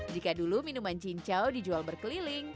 jika dulu minuman cincau dijual berkeliling